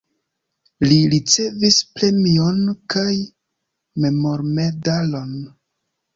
Li ricevis premion kaj memormedalon.